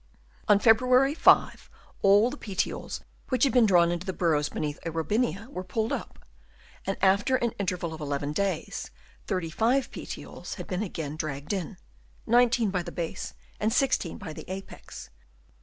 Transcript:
On February 5 all the petioles which had been drawn into the burrows beneath a Robinia, were pulled up ; and after an interval of eleven days, 35 petioles had been again dragged in, 19 by the base, and 16 by the apex.